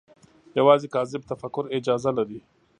یوازې کاذب تفکر اجازه لري